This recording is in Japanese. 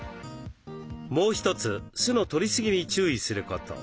もう一つ酢のとりすぎに注意すること。